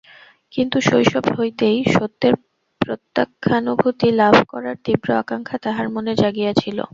কিন্তু শৈশব হইতেই সত্যের প্রত্যক্ষানুভূতি লাভ করার তীব্র আকাঙ্ক্ষা তাঁহার মনে জাগিয়াছিল।